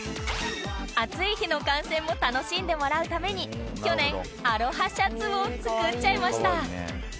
暑い日の観戦も楽しんでもらうために去年アロハシャツを作っちゃいました